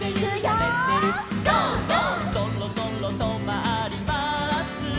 「そろそろとまります」